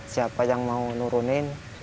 siapa yang mau nurunin